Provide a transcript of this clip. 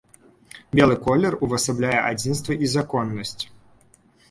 Белы колер увасабляе адзінства і законнасць.